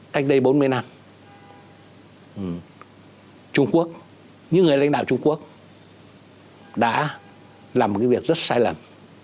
cách đây bốn mươi năm trung quốc như người lãnh đạo trung quốc đã làm một cái việc rất sai lầm